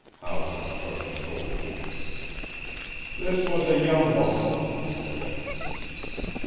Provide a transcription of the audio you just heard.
Howland shrugged his shoulders. "This was a young woman," he said.